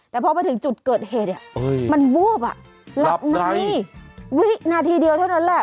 แต่พอมาถึงจุดเกิดเหตุเนี้ยเอ้ยมันววบอ่ะรับไหนนี่วินาทีเดียวเท่านั้นแหละ